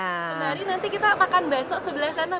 sembari nanti kita makan bakso sebelah sana